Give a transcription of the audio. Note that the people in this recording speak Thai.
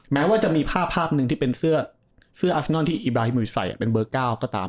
แม้ว่าจะมีภาพภาพหนึ่งที่เป็นเสื้ออัฟนอนที่อีบราฮิมุยใส่เป็นเบอร์๙ก็ตาม